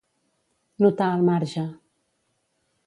Notar al marge.